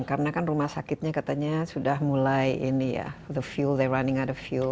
karena kan rumah sakitnya katanya sudah mulai ini ya the fuel they re running out of fuel